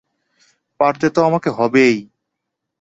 পারতে তো আমাকে হবেই!